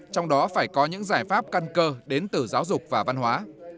trong đó phải có những giải pháp căn cơ đến từ giáo dục và văn hóa